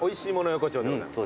横丁でございます。